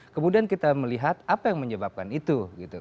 kemudian kita melihat apa yang menyebabkan itu